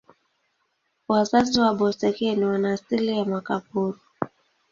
Wazazi wa Boeseken wana asili ya Makaburu.